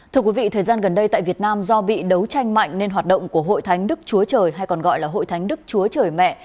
thưa quý vị thời gian gần đây tại việt nam do bị đấu tranh mạnh nên hoạt động của hội thánh đức chúa trời hay còn gọi là hội thánh đức chúa trời mẹ